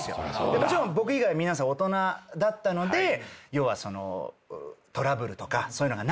もちろん僕以外皆さん大人だったので要はトラブルとかそういうのがないように。